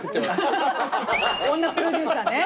女プロデューサーね。